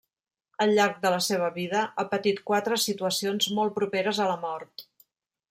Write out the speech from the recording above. Al llarg de la seva vida ha patit quatre situacions molt properes a la mort.